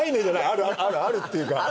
あるっていうか